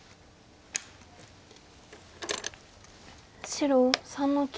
白３の九。